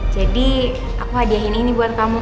jadi aku hadiahin ini buat kamu